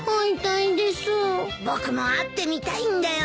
僕も会ってみたいんだよ。